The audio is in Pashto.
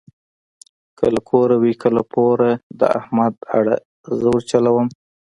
که له کوره وي که له پوره د احمد اړه زه ورچلوم.